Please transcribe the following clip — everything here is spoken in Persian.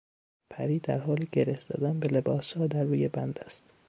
پری در حال گره زدن به لباسها در روی بند است.